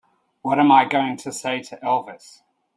What am I going to say to Elvis?